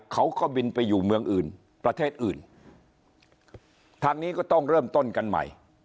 เขาก็บินไปอยู่เมืองอื่นประเทศอื่นทางนี้ก็ต้องเริ่มต้นกันใหม่